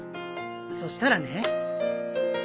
そしたらね。